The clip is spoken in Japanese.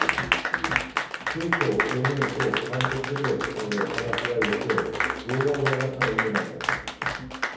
生徒４名と監督で話し合いをして、動画を流したらいいんじゃないかと。